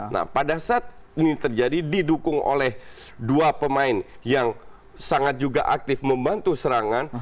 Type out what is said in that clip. nah pada saat ini terjadi didukung oleh dua pemain yang sangat juga aktif membantu serangan